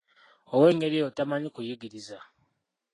Ow'engeri eyo tamanyi kuyigiriza.